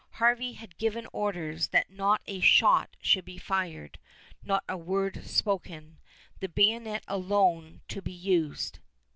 Harvey had given orders that not a shot should be fired, not a word spoken, the bayonet alone to be used.